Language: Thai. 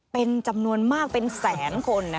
เป็นจำนวนมากเป็นแสนคน